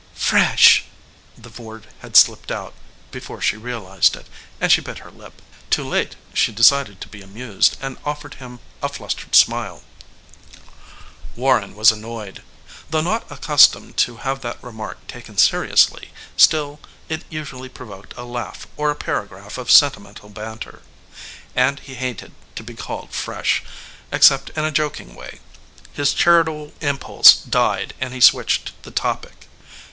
"Fresh!" the word had slipped out before she realized it, and she bit her lip. Too late she decided to be amused, and offered him a flustered smile. Warren was annoyed. Though not accustomed to have that remark taken seriously, still it usually provoked a laugh or a paragraph of sentimental banter. And he hated to be called fresh, except in a joking way. His charitable impulse died and he switched the topic.